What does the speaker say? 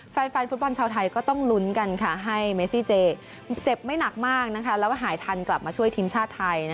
แฟนฟุตบอลชาวไทยก็ต้องลุ้นกันให้เมซี่เจเจ็บไม่หนักมากแล้วก็หายทันกลับมาช่วยทีมชาติไทย